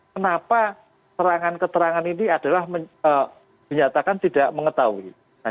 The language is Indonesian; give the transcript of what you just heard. kenapa terangan keterangan ini adalah menyatakan tidak mengetahui